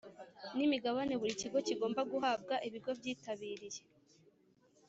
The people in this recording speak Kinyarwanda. N imigabane buri kigo kigomba guhabwa ibigo byitabiriye